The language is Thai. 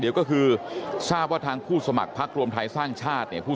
เดี๋ยวก็คือทราบว่าทางผู้สมัครพักรวมไทยสร้างชาติเนี่ย